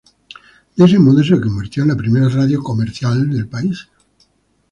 De ese modo se convirtió en la primera radio comercial del país.